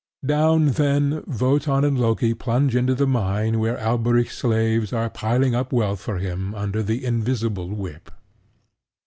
Down, then, Wotan and Loki plunge into the mine where Alberic's slaves are piling up wealth for him under the invisible whip.